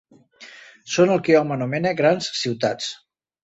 Són el que hom anomena grans ciutats.